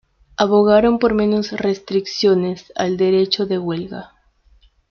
Abogaron por menos restricciones al derecho de huelga.